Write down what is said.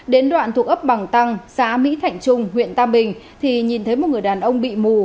đến đoạn thuộc ấp bằng tăng xã mỹ thạnh trung huyện tam bình thì nhìn thấy một người đàn ông bị mù